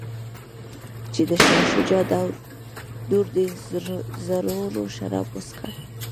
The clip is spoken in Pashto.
چې د شاه شجاع دور دی زړور شراب وڅښه.